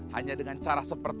hanya dengan cara sepertinya